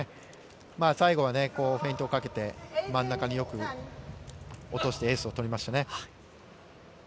最後はフェイントをかけて真ん中によく落としてエースを取りまし